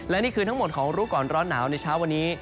และนี่คือทั้งหมดของรู้ก่อนร้อนหนาวในเช้าวันนี้